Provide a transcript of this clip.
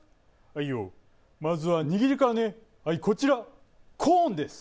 あいよまずは握りからねはいこちらコーンです